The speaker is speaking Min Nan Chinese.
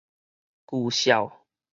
舊帳